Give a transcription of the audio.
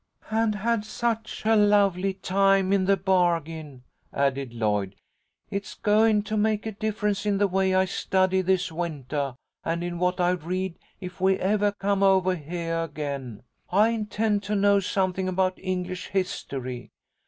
"And had such a lovely time in the bargain," added Lloyd. "It's goin' to make a difference in the way I study this wintah, and in what I read. If we evah come ovah heah again, I intend to know something about English history.